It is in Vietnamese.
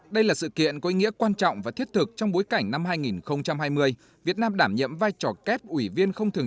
đây là sự kiện có ý nghĩa quan trọng và thiết thực trong bối cảnh năm hai nghìn hai mươi việt nam đảm nhiệm vai trò kép ủy viên không thường